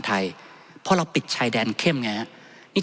ท่านประธานครับนี่คือสิ่งที่สุดท้ายของท่านครับ